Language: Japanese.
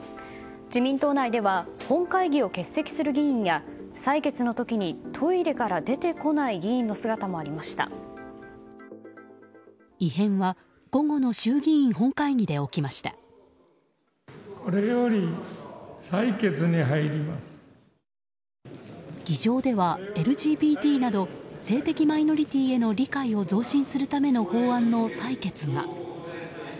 自民党内では本会議を欠席する議員や採決の時にトイレから出てこない異変は午後の衆議院本会議で議場では、ＬＧＢＴなど性的マイノリティーへの理解を増進するための法案の採決が。